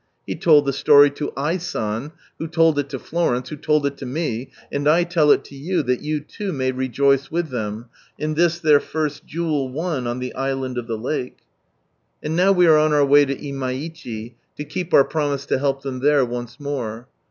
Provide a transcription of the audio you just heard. He told the story to I. San, who told it to Florence, who lold it to me, and I tell it to you that you 100 may rejoice with them, in this their first jewel won on the Island of the Lake. ... And now we are on our way to Imaichi, to keep our promise to help them there once more.